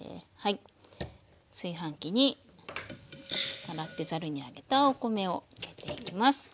炊飯器に洗ってざるに上げたお米を入れていきます。